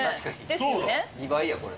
２倍や、これ。